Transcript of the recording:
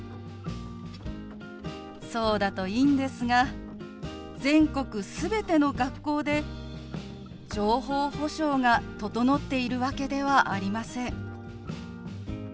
そうだといいんですが全国全ての学校で情報保障が整っているわけではありません。